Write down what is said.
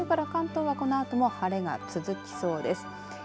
そして九州から関東はこのあとも晴れが続きそうです。